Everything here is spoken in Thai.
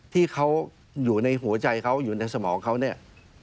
ที่เขาอยู่ในหัวใจเขาอยู่ในสมองเขาเนี่ย